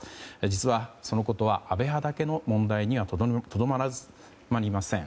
実は、そのことは安倍派だけの問題にはとどまりません。